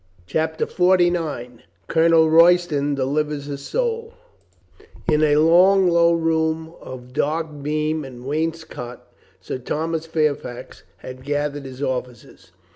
CHAPTER FORTY NINE COLONEL ROYSTON DELIVERS HIS SOUL N a long, low room of dark beam and wainscot Sir Thomas Fairfax had gathered his officers.